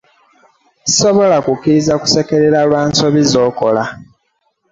Sisobola kukiriza kusekererwa lwa nsobi z'okola.